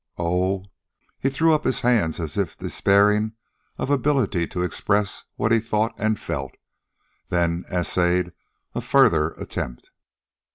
Oh " He threw up his hands as if despairing of ability to express what he thought and felt, then essayed a further attempt.